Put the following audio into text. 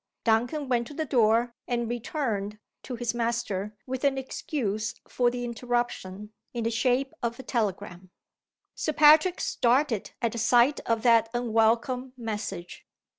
Duncan went to the door; and returned, to his master, with an excuse for the interruption, in the shape of a telegram! Sir Patrick started at the sight of that unwelcome message.